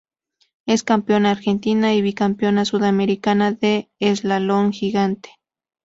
Es campeona argentina y bicampeona sudamericana de eslalon gigante.